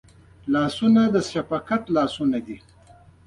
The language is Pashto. لاسونه د شفقت لاسونه دي